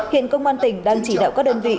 hiện công an tỉnh đang chỉ đạo các đơn vị